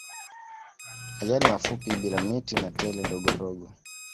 Majani mafupi bila miti na tele ndogondogo